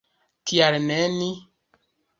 Kial ne ni?